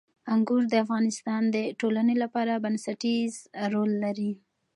انګور د افغانستان د ټولنې لپاره بنسټيز رول لري.